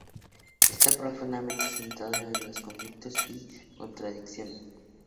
Está profundamente centrado en los conflictos y contradicciones.